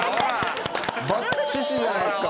「バッチシじゃないですか」